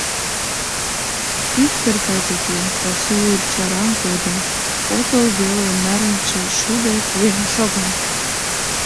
Ик пӧртат уке, пасу чараҥ кодын, отыл веле нарынче шу гай койын шога.